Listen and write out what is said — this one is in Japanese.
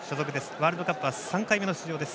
ワールドカップは３回目の出場です。